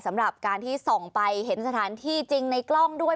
สำหรับการที่ส่องไปเห็นสถานที่จริงในกล้องด้วย